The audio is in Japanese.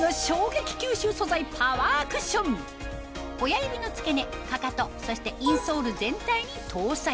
それが親指の付け根かかとそしてインソール全体に搭載